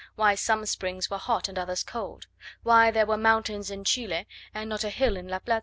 why some springs were hot and others cold? why there were mountains in Chile, and not a hill in La Plata?